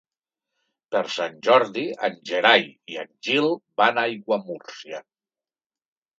Per Sant Jordi en Gerai i en Gil van a Aiguamúrcia.